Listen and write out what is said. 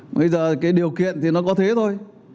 bây giờ cái điều kiện thì nó có thế thôi